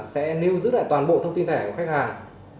sẽ lưu giữ lại toàn bộ thông tin thẻ của khách hàng